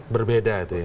berbeda itu ya